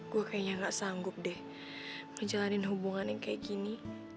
gue kayaknya gak sanggup deh ngejalanin hubungan yang kayak gini